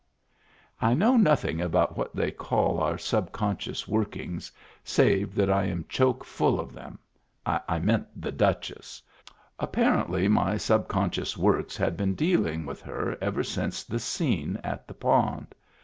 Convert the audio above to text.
I know nothing about what they call our sub conscious workings, save that I am choke full of them; I meant the Duchess. Apparently my subconscious works had been dealing with her ever since the scene at the pond.